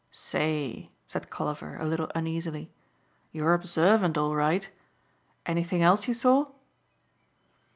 "Say," said Colliver a little uneasily, "you're observant all right. Anything else you saw?"